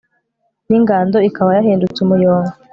n'ingando ikaba yahindutse umuyonga